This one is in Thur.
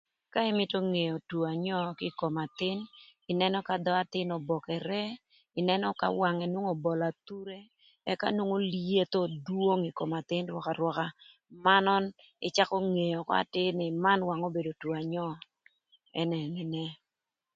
Ka ïmïtö ngeo two anyöö kï kom athïn, ïnënö ka dhö athïn obokere, ïnënö ka wangë nwongo obolo athure ëka nwongo lyetho dwong ï kom athïn rwök arwöka manön ïcakö ngeo ökö atïr nï man wang obedo two anyöö enene.